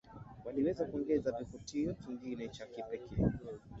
waliweza kuongeza kivutio kingine cha kipekee